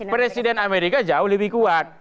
presiden amerika jauh lebih kuat